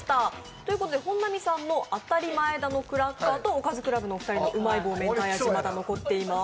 ということで、本並さんのあたり前田のクラッカーとおかずクラブのお二人のうまい棒めんたい味が残っています。